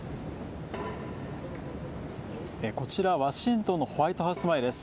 こちら、ワシントンのホワイトハウス前です。